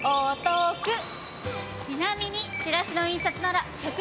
ちなみに。